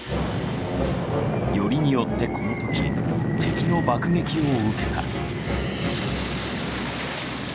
よりによってこの時敵の爆撃を受けた。